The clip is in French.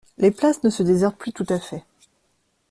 Les places ne se désertent plus tout à fait.